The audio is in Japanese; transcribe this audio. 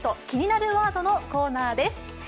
気になるワード」のコーナーです。